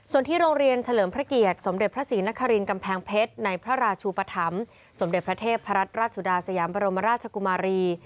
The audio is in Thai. ส่วนที่โรงเรียนเฉลิมพระเกียรติสมเด็จพระศรีนครินกำแพงเพชรในพระราชูปธรรมสมเด็จพระเทพรัชราชสุดาสยามบรมราชกุมารี